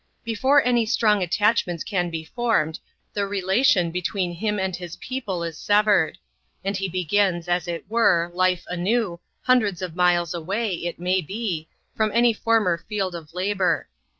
Before any strong attachments can be formed, the relation between him and his people is severed; and he begins, as it were, life anew, hundreds of miles away, it may be, from any former field of labour.